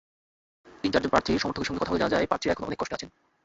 তিন-চারজন প্রার্থীর সমর্থকের সঙ্গে কথা বলে জানা যায়, প্রার্থীরা এখন অনেক কষ্টে আছেন।